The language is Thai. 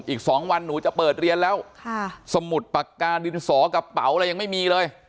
อีก๒วันหนูจะเปิดเรียนแล้วสมุดปากกาดินสอกระเป๋าอะไรยังไม่มีเลย